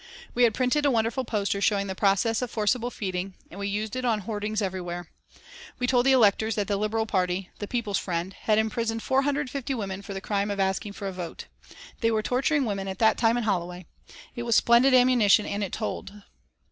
We had printed a wonderful poster showing the process of forcible feeding, and we used it on hoardings everywhere. We told the electors that the "Liberal Party," the people's friend, had imprisoned 450 women for the crime of asking for a vote. They were torturing women at that time in Holloway. It was splendid ammunition and it told.